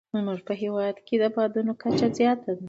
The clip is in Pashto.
زموږ په هېواد کې د بادونو کچه زیاته ده.